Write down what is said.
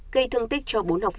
gây thương tích cho bộ